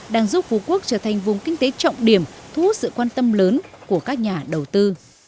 đang giúp phú quốc trở thành vùng kinh tế trọng điểm thu hút sự quan tâm lớn của các nhà đầu tư